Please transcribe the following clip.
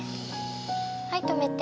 はい止めて。